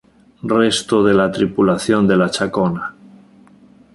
Resto de la tripulación de la Chacona.